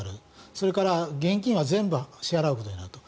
それから現金は全部支払うことになると。